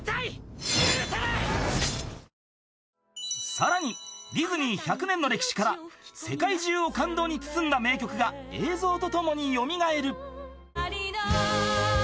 ［さらにディズニー１００年の歴史から世界中を感動に包んだ名曲が映像とともに蘇る］